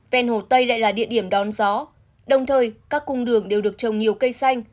ven hồ tây lại là địa điểm đón gió đồng thời các cung đường đều được trồng nhiều cây xanh